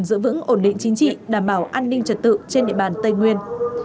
giữ vững ổn định chính trị đảm bảo an ninh trật tự trên địa bàn tây nguyên